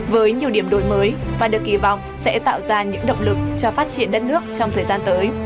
với nhiều điểm đổi mới và được kỳ vọng sẽ tạo ra những động lực cho phát triển đất nước trong thời gian tới